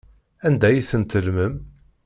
Anda ay tent-tellmem?